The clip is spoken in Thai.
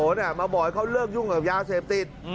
เพราะว่าบอกให้เขาเลิกหยุ่งกับยาเสพติด